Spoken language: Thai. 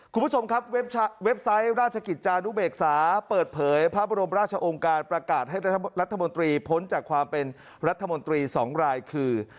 คุณผู้ชมครับเว็บไซต์ราชกิจจานุเบกษาเปิดเผยพระบรมราชองค์การประกาศให้รัฐมนตรีพ้นจากความเป็นรัฐมนตรี๒รายคือ